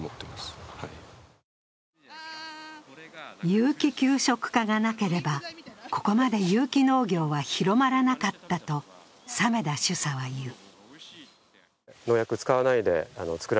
有機給食化がなければ、ここまで有機農業は広まらなかったと鮫田主査は言う。